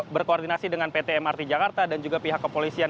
berkoordinasi dengan pt mrt jakarta dan juga pihak kepolisian